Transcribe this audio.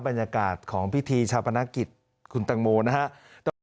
บรรยากาศของพิธีชาปนกิจคุณตังโมนะฮะ